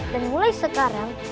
dan mulai sekarang